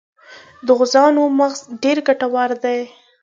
د غوزانو مغز ډیر ګټور دی.